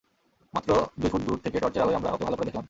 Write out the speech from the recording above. মাত্র দুই ফুট দূর থেকে টর্চের আলোয় আমরা ওকে ভালো করে দেখলাম।